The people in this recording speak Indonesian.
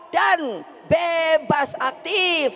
dan bebas aktif